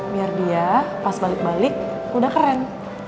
biar dia pas balik balik udah keren